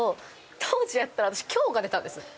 当時やったら、私、凶が出たんです。